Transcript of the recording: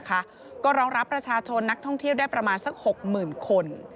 ก็รองรับประชาชนนักท่องเที่ยวได้ประมาณสัก๖๐๐๐คน